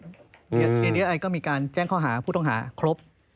เดี๋ยวไอก็มีการแจ้งข้อหาผู้ต้องหาครบ